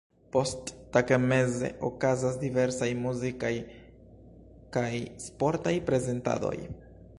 Posttagmeze okazas diversaj muzikaj kaj sportaj prezentadoj.